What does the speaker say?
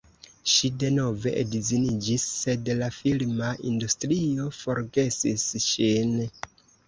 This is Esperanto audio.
Ŝi denove edziniĝis sed la filma industrio forgesis ŝin.